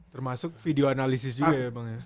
termasuk video analisis juga ya bang ya